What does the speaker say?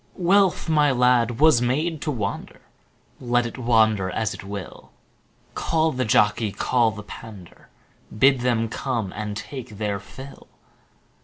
Wealth, my lad, was made to wander, Let it wander as it will; Call the jockey, call the pander, Bid them come and take their fill.